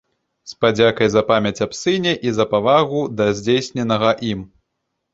З падзякай за памяць аб сыне і за павагу да здзейсненага ім.